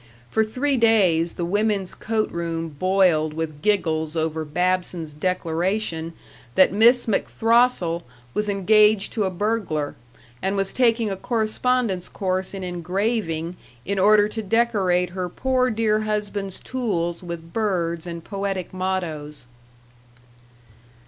For three days the women's coat room boiled with giggles over Babson's declaration that Miss MacThrostle was engaged to a burglar, and was taking a correspondence course in engraving in order to decorate her poor dear husband's tools with birds and poetic mottoes.